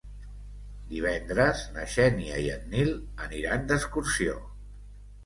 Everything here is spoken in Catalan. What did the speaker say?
Divendres na Xènia i en Nil aniran d'excursió.